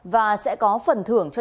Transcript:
và sẽ có phần thử nghiệm